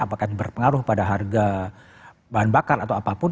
apakah itu berpengaruh pada harga bahan bakar atau apapun